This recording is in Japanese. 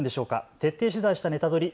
徹底取材したネタドリ！